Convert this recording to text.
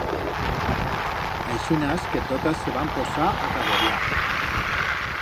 Aixinas que totas se van posar a caboriar.